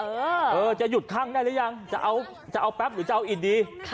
เออจะหยุดข้างได้หรือยังจะเอาแป๊บหรือจะเอาอิดดี